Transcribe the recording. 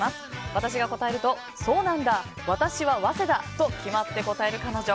私が答えるとそうなんだ、私は早稲田と決まって答える彼女。